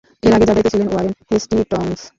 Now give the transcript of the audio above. এর আগে যার দায়িত্বে ছিলেন ওয়ারেন হেস্টিংস।